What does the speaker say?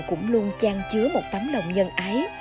cũng luôn trang chứa một tấm lòng nhân ái